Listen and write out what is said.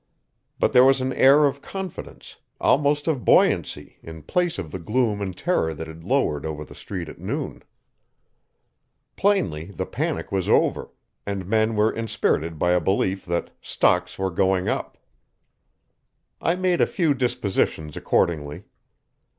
But there was an air of confidence, almost of buoyancy, in place of the gloom and terror that had lowered over the street at noon. Plainly the panic was over, and men were inspirited by a belief that "stocks were going up." I made a few dispositions accordingly.